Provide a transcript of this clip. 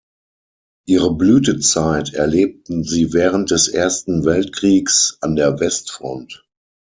Ihre Blütezeit erlebten sie während des Ersten Weltkriegs an der Westfront.